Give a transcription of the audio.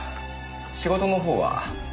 仕事のほうは？